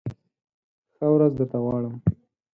ښه ورځ درته غواړم !